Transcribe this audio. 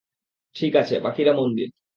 ঠিক আছে, বাকিরা মন দিন।